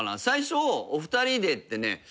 最初お二人でってね。